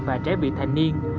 và trẻ vị thành niên